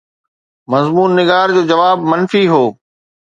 مضمون نگار جو جواب منفي هو.